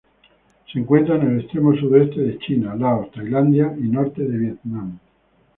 Se encuentra en el extremo sudeste de China, Laos, Tailandia y norte de Vietnam.